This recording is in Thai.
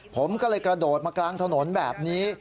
ผมก็เลยกระโดดมากลางถนนแบบนี้